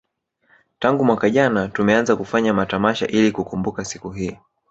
Tangu mwaka jana tumeanza kufanya matamasha ili kukumbuka siku hii